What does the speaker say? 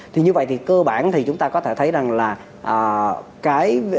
thì như vậy thì cơ bản thì chúng ta có thể thấy rằng là cái